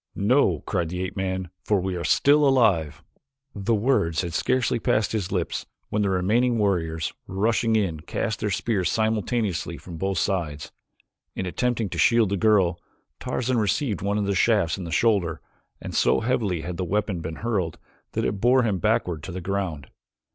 "No," cried the ape man, "for we still live!" The words had scarcely passed his lips when the remaining warriors, rushing in, cast their spears simultaneously from both sides. In attempting to shield the girl, Tarzan received one of the shafts in the shoulder, and so heavily had the weapon been hurled that it bore him backward to the ground.